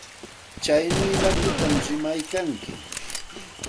Tsaynawllapita rimaykanki.